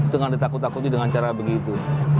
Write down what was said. dengan ditakuti dengan cara begitu